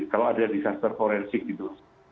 kalau ada disaster forensik gitu